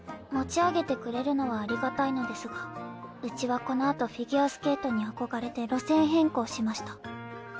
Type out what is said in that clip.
持ち上げてくれるのはありがたいのですがうちはこのあとフィギュアスケートに憧れて路線変更しました。